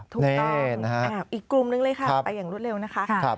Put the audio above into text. ถูกต้องอีกกลุ่มนึงเลยค่ะไปอย่างรวดเร็วนะคะ